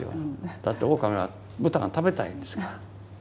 だってオオカミは豚が食べたいんですから。